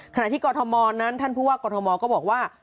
ที่กรทมนั้นท่านผู้ว่ากรทมก็บอกว่า